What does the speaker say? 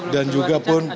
dan juga pun